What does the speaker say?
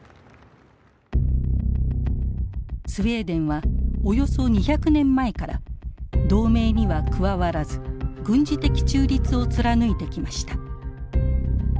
スウェーデンはおよそ２００年前から同盟には加わらず軍事的中立を貫いてきました。